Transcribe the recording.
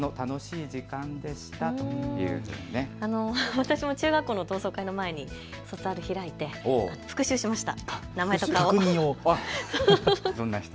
私も中学校の同窓会の前に卒アル開いて復習しました。